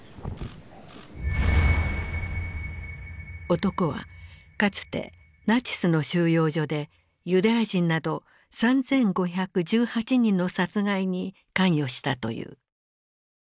男はかつてナチスの収容所でユダヤ人など３，５１８人の殺害に関与したという。